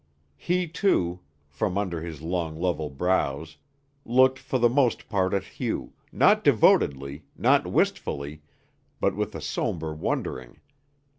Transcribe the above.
He too from under his long level brows looked for the most part at Hugh, not devotedly, not wistfully, but with a somber wondering.